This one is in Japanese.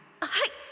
はい。